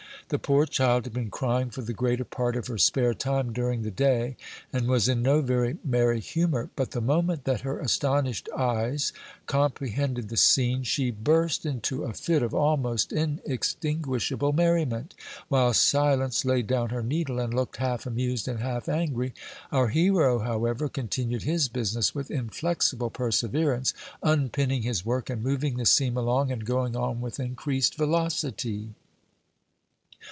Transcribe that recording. The poor child had been crying for the greater part of her spare time during the day, and was in no very merry humor; but the moment that her astonished eyes comprehended the scene, she burst into a fit of almost inextinguishable merriment, while Silence laid down her needle, and looked half amused and half angry. Our hero, however, continued his business with inflexible perseverance, unpinning his work and moving the seam along, and going on with increased velocity.